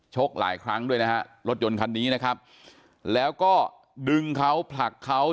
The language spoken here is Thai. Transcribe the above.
กหลายครั้งด้วยนะฮะรถยนต์คันนี้นะครับแล้วก็ดึงเขาผลักเขา